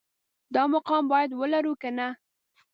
دا مقام باید ولرو که نه